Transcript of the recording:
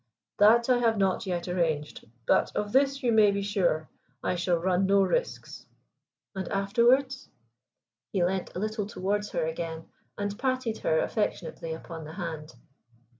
"That I have not yet arranged. But of this you may be sure, I shall run no risks." "And afterwards?" He leant a little towards her again, and patted her affectionately upon the hand.